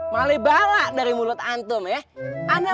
mali bala dari mulut antum ya